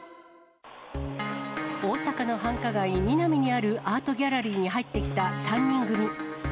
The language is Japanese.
大阪の繁華街、ミナミにあるアートギャラリーに入ってきた３人組。